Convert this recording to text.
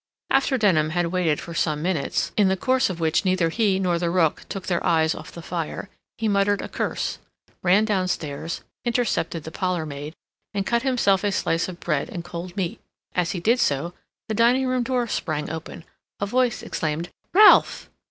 After Denham had waited some minutes, in the course of which neither he nor the rook took their eyes off the fire, he muttered a curse, ran downstairs, intercepted the parlor maid, and cut himself a slice of bread and cold meat. As he did so, the dining room door sprang open, a voice exclaimed "Ralph!"